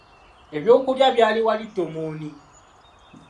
Ebyokulya byali wali ttomooni.